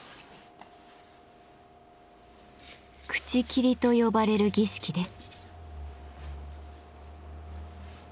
「口切」と呼ばれる儀式です。